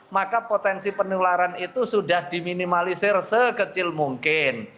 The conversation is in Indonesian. maka potensi penularan itu sudah diminimalisir sekecil mungkin